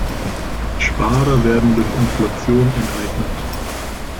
Sparer werden durch Inflation enteignet.